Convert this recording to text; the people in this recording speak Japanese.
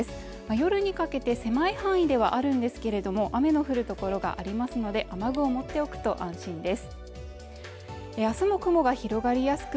夜にかけて狭い範囲ではあるんですけれども、雨の降る所がありますので、雨具を持っておくと安心です。